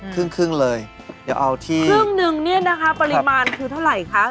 ครึ่งครึ่งเลยเดี๋ยวเอาที่ครึ่งหนึ่งเนี่ยนะคะปริมาณคือเท่าไหร่คะ